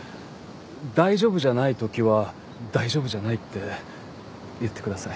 大丈夫じゃない時は大丈夫じゃないって言ってください。